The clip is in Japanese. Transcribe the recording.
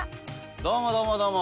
どうもどうもどうも！